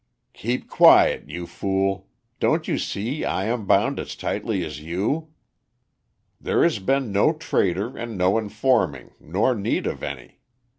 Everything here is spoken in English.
"Keep quiet, you fool. Don't you see I am bound as tightly as you?" "There has been no traitor and no informing, nor need of any.